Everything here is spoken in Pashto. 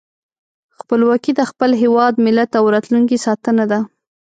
خپلواکي د خپل هېواد، ملت او راتلونکي ساتنه ده.